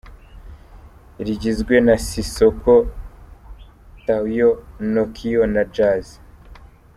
Rigizwe na Sisqo, Taio, Nokio na Jazz.